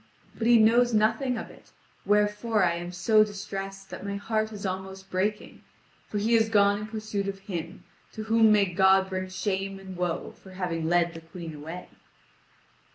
But he knows nothing of it, wherefore I am so distressed that my heart is almost breaking, for he is gone in pursuit of him, to whom may God bring shame and woe for having led the Queen away."